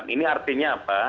ini artinya apa